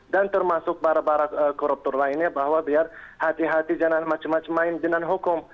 dan termasuk para para koruptur lainnya bahwa biar hati hati jangan macam macam main dengan hukum